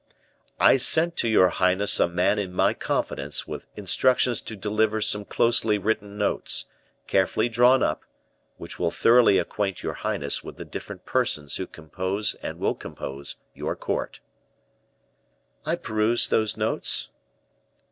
"I sent to your highness a man in my confidence with instructions to deliver some closely written notes, carefully drawn up, which will thoroughly acquaint your highness with the different persons who compose and will compose your court." "I perused those notes."